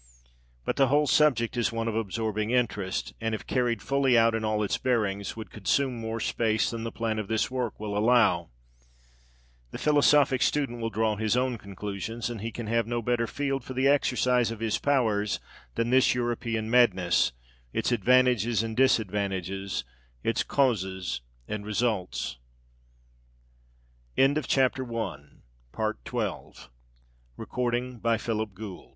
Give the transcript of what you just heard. But the whole subject is one of absorbing interest, and, if carried fully out in all its bearings, would consume more space than the plan of this work will allow. The philosophic student will draw his own conclusions; and he can have no better field for the exercise of his powers than this European madness its advantages and disadvantages, its causes and results. [Illustration: ARRAS.